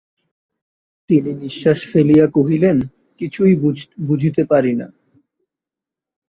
তিনি নিশ্বাস ফেলিয়া কহিলেন, কিছুই বুঝিতে পারি না।